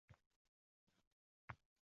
Insoniyat umrin o’g’rilarini.